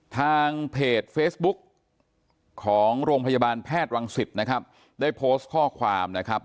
ทางเพจเฟซบุ๊กของโรงพยาบาลแพทย์วังศิษย์นะครับได้โพสต์ข้อความนะครับ